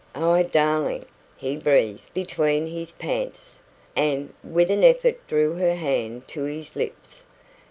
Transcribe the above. "Ah darling!" he breathed, between his pants, and with an effort drew her hand to his lips.